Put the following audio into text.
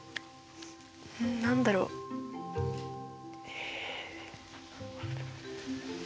ん何だろう？え。